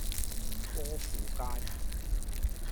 歌賦街